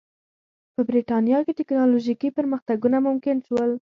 په برېټانیا کې ټکنالوژیکي پرمختګونه ممکن شول.